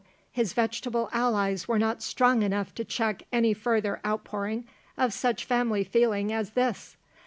His vegetable allies were not strong enough to check any further outpouring of such family feeling as this.